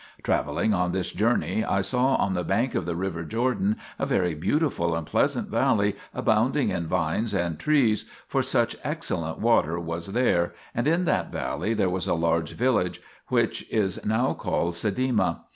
Travelling on this journey I saw on the bank of the river Jordan a very beautiful and pleasant valley abounding in vines and trees, for much excellent water was there, and in that valley there was a large village, which is now called Sedima.